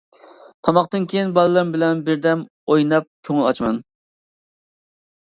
تاماقتىن كىيىن بالىلىرىم بىلەن بىردەم ئويناپ كۆڭۈل ئاچىمەن.